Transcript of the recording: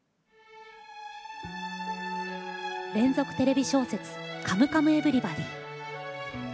連続テレビ小説「カムカムエヴリバディ」。